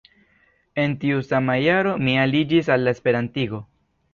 En tiu sama jaro, mi aliĝis al la esperantigo.